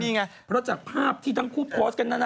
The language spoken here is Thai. เพราะว่าจากภาพที่ทั้งคู่โพส์กันนั่นอะ